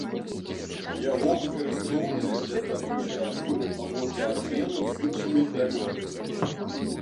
Яго выкарыстоўвалі для здабычы агню або для абмену з іншымі плямёнамі.